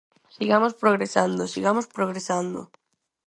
Sigamos progresando, sigamos progresando.